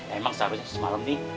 emang seharusnya semalam nih